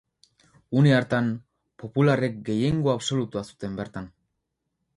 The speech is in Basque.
Une hartan, popularrek gehiengo absolutua zuten bertan.